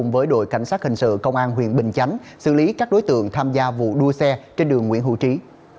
với đội cảnh sát hình sự công an huyện bình chánh xử lý các đối tượng tham gia vụ đua xe trên đường nguyễn hữu trí